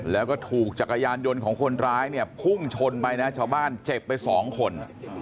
แล้วก็ถูกจักรยานยนต์ของคนร้ายเนี่ยพุ่งชนไปนะชาวบ้านเจ็บไปสองคน